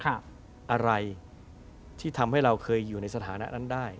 อะไรที่ทำให้เราเคยอยู่ในสถานะนั้นได้